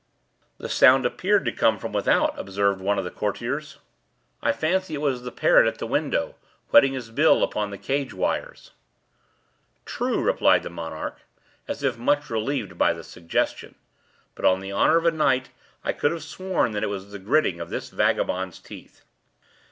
"The sound appeared to come from without," observed one of the courtiers. "I fancy it was the parrot at the window, whetting his bill upon his cage wires." "True," replied the monarch, as if much relieved by the suggestion; "but, on the honor of a knight, I could have sworn that it was the gritting of this vagabond's teeth."